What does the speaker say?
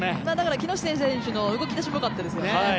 木下選手の動き出しもよかったですよね。